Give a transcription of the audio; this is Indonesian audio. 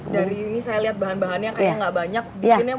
dari ini saya lihat bahan bahannya kayaknya gak banyak